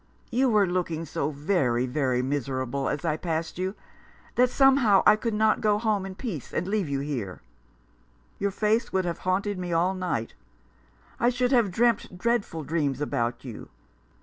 You were looking so very, very miserable as I passed you, that somehow I could not go home in peace and leave you here. Your face would have haunted me all night. I should have dreamt dreadful dreams about you.